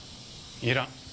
いらん。